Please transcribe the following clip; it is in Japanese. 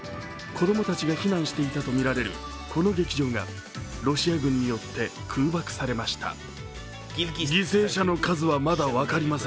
子供たちが避難していたとみられるこの劇場がロシア軍によって空爆されました。